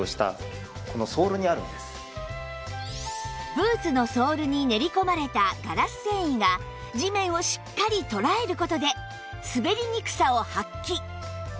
ブーツのソールに練り込まれたガラス繊維が地面をしっかりとらえる事で滑りにくさを発揮！